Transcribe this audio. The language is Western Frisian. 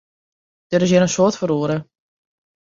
Der is hjir in soad feroare.